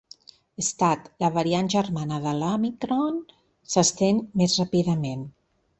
Stat: La variant germana de l’òmicron s’estén més ràpidament.